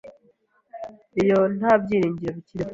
Iyo nta byiringiro bikiriho